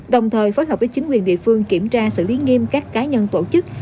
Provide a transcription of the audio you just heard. đồng thời phối hợp với chính quyền địa phương kiểm tra xử lý nghiêm các cá nhân tổ chức